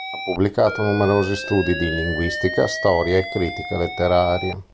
Ha pubblicato numerosi studi di linguistica, storia e critica letteraria.